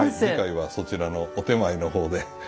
次回はそちらのお点前の方で。